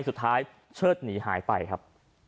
สุดท้ายหายไปครับ